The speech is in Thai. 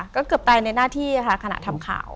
ก็เกือบตายในหน้าที่ค่ะขณะทำข่าว